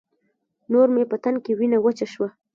نور مې په تن کې وينه وچه شوه.